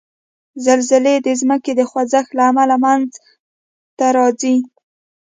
زلزلې د ځمکې د خوځښت له امله منځته راځي.